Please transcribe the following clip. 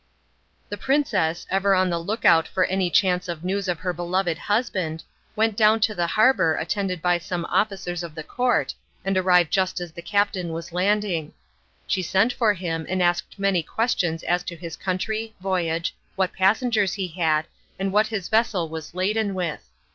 The princess, ever on the look out for any chance of news of her beloved husband, went down to the harbour attended by some officers of the court, and arrived just as the captain was landing. She sent for him and asked many questions as to his country, voyage, what passengers he had, and what his vessel was laden with.